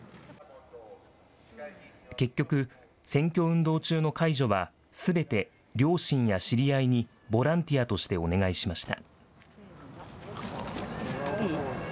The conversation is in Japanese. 結局、選挙運動中の介助は、すべて両親や知り合いにボランティアとしてお願いしました。